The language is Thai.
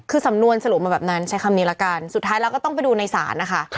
คือสำนวนสรุปมาแบบนั้นใช้คำนี้ละกันสุดท้ายแล้วก็ต้องไปดูในศาลนะคะ